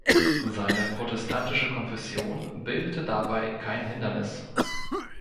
Seine protestantische Konfession bildete dabei kein Hindernis.